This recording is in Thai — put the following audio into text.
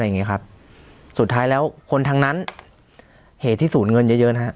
อย่างเงี้ครับสุดท้ายแล้วคนทั้งนั้นเหตุที่ศูนย์เงินเยอะเยอะนะฮะ